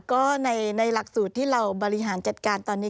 ก็ในหลักสูตรที่เราบริหารจัดการตอนนี้